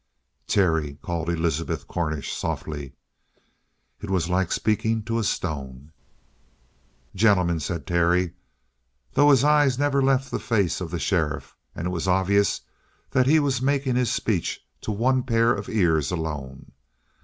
"Terry!" called Elizabeth Cornish softly. It was like speaking to a stone. "Gentlemen," said Terry, though his eyes never left the face of the sheriff, and it was obvious that he was making his speech to one pair of ears alone.